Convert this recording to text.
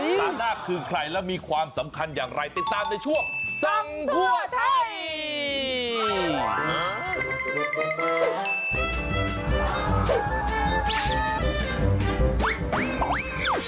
ตาหน้าคือใครและมีความสำคัญอย่างไรติดตามในช่วงสั่งทั่วไทย